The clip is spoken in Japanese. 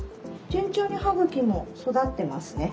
順調に歯茎も育ってますね。